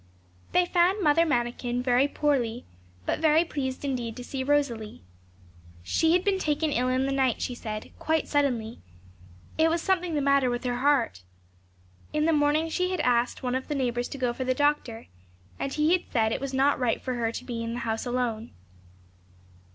They found Mother Manikin very poorly, but very pleased indeed to see Rosalie. She had been taken ill in the night, she said, quite suddenly. It was something the matter with her heart. In the morning she had asked one of the neighbours to go for the doctor, and he had said it was not right for her to be in the house alone.